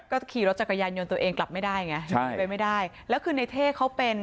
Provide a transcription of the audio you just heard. ก็ขี่รถจักรยานยนต์ตัวเองกลับไม่ได้ไงใช่ไปไม่ได้แล้วคือในเท่เขาเป็น